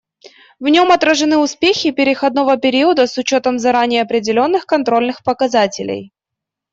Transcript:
В нем отражены успехи переходного периода с учетом заранее определенных контрольных показателей.